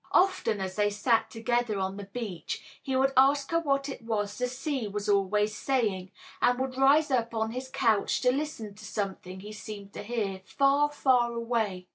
Often, as they sat together on the beach, he would ask her what it was the sea was always saying, and would rise up on his couch to listen to something he seemed to hear, far, far away.